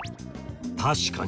確かに。